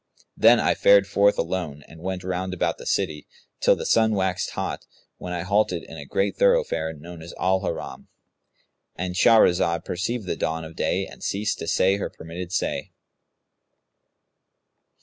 Then I fared forth alone and went round about the city, till the sun waxed hot, when I halted in a great thoroughfare known as Al Haram,"—And Shahrazad perceived the dawn of day and ceased to say her permitted say.